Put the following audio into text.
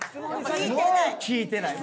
聞いてない。